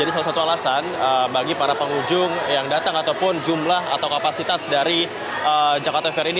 ini salah satu alasan bagi para pengunjung yang datang ataupun jumlah atau kapasitas dari jakarta fair ini